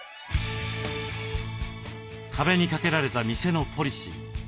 壁に掛けられた店のポリシー。